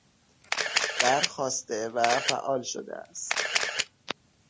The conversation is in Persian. بر خواسته و فعال شده است.